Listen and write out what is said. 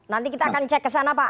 nanti kita akan cek ke sana pak